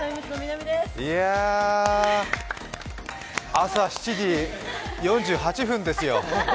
朝７時４８分ですよ。